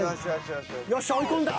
よっしゃ追い込んだ。